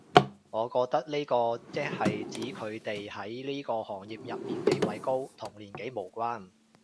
我覺得呢個即係指佢哋喺呢個行業入面地位高，同年紀無關